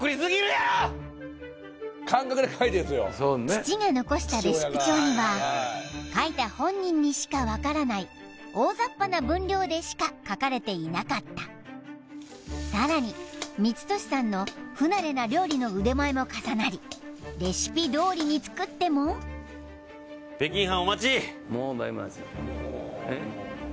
父が残したレシピ帳には書いた本人にしか分からない大ざっぱな分量でしか書かれていなかったさらに充俊さんの不慣れな料理の腕前も重なりレシピどおりに作ってもはあ他には？